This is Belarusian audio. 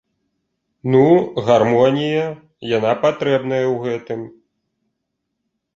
Ну, гармонія, яна патрэбная ў гэтым.